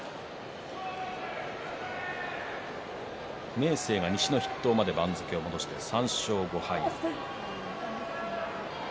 明生が西の筆頭まで番付を戻して３勝５敗。